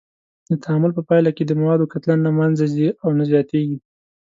د تعامل په پایله کې د موادو کتله نه منځه ځي او نه زیاتیږي.